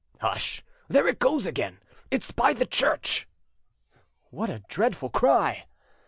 "Hush! there it goes again. It's by the church." "What a dreadful cry!"